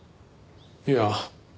いや。